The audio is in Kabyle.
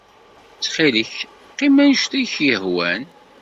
Ttxil-k, qqim anect ay ak-yehwan.